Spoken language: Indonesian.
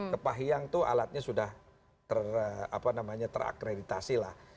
kepahiyang itu alatnya sudah terakreditasi lah